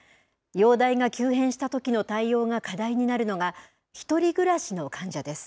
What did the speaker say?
容体が急変したときの対応が課題になるのが、１人暮らしの患者です。